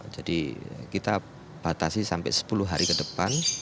jadi kita batasi sampai sepuluh hari ke depan